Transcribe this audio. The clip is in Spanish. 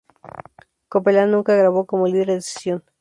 Copeland nunca grabó como líder de sesión.